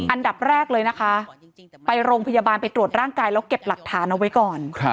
อันดับแรกเลยนะคะไปโรงพยาบาลไปตรวจร่างกายแล้วเก็บหลักฐานเอาไว้ก่อน